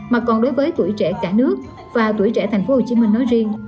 mà còn đối với tuổi trẻ cả nước và tuổi trẻ thành phố hồ chí minh nói riêng